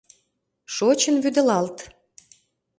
Шочын вÿдылалт.